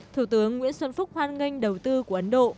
thủ tướng nguyễn xuân phúc hoan nghênh đầu tư của ấn độ